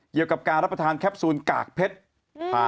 เกี่ยวกับการรับประทานแคปซูลกากเพชรอ่า